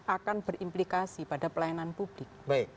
akan berimplikasi pada pelayanan publik